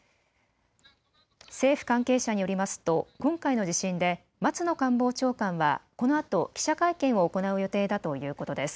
政府関係者によりますと今回の地震で松野官房長官はこのあと記者会見を行う予定だということです。